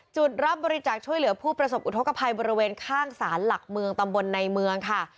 จุดรับบริจาคช่วยเหลือผู้ประสบอุทธกภัยบริเวณข้างศาลหลักเมืองตำบลในเมืองค่ะ